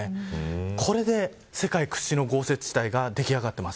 これで世界屈指の豪雪地帯が出来上がっています。